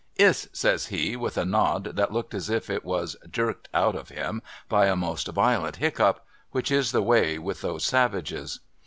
' Iss,' says he, with a nod that looked as if it wns jerked out of him by a most violent hiccup — which is the way with those savages.